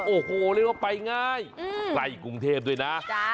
โอ้โหเรียกว่าไปง่ายใกล้กรุงเทพด้วยนะ